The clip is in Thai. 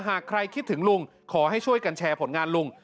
หากใครคิดถึงลุงขอให้ช่วยกันแชร์ผลงานลุง